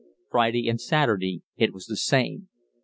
Friday and Saturday it was the same.